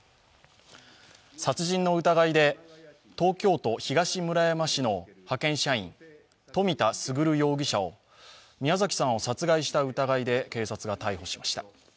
殺人の疑いで東京都東村山市の派遣社員・冨田賢容疑者を宮崎さんを殺害した疑いで警察が逮捕しました。